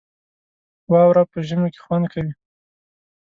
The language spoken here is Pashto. واوره په ژمي کې خوند کوي